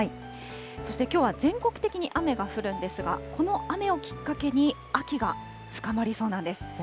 そしてきょうは全国的に雨が降るんですが、この雨をきっかけに、秋が深まりそうなんです。